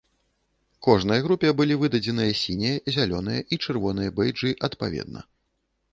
Кожнай групе былі выдадзеныя сінія, зялёныя і чырвоныя бэйджы адпаведна.